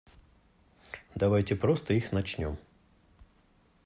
Давайте просто их начнем.